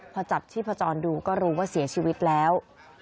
พอจับชีพจรดูก็รู้ว่าเสียชีวิตแล้ว